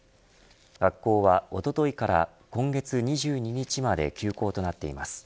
学校はおとといから今月２２日まで休校となっています。